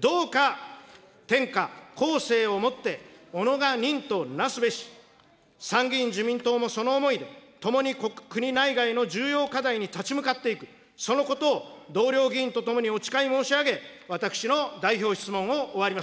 どうか天下後世を以て己が任と為すべし、参議院自民党もその思いで、ともに国内外の重要課題に立ち向かっていく、そのことを同僚議員とともにお誓い申し上げます、私の代表質問を終わります。